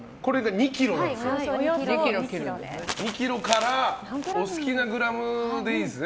２ｋｇからお好きなグラムでいいんですね。